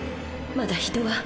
まだ人は。